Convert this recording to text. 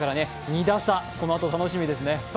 ２打差、このあと楽しみですね。